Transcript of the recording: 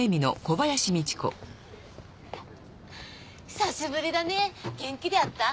久しぶりだね元気であった？